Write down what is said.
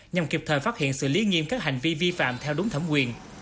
nhằm kiệp thời phát hiện sự lý nghiêm các hành vi vi phạm theo đúng thẩm quyền